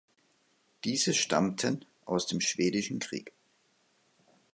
Diese stammten aus dem Schwedischen Krieg.